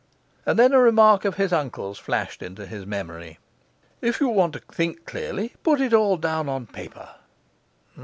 And then a remark of his uncle's flashed into his memory: If you want to think clearly, put it all down on paper.